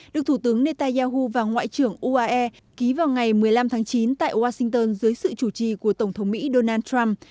được thủ tướng netanyahu và ngoại trưởng uae ký vào ngày một mươi năm tháng chín tại washington dưới sự chủ trì của tổng thống mỹ donald trump